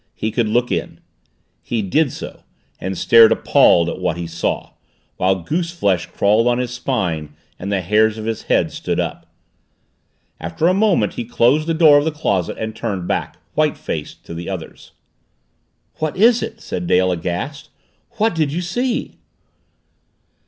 He could look in. He did so and stared appalled at what he saw, while goose flesh crawled on his spine and the hairs of his head stood up. After a moment he closed the door of the closet and turned back, white faced, to the others. "What is it?" said Dale aghast. "What did you see?"